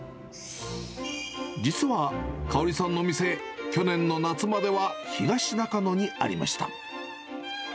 実は嘉織さんの店、去年の夏までは東中野にありました。